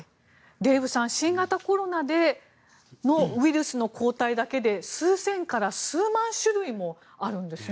デーブさん新型コロナウイルスの抗体だけで数千から数万種類もあるんですね。